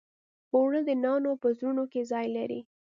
اوړه د نانو په زړونو کې ځای لري